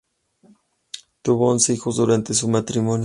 Tuvo once hijos durante su matrimonio.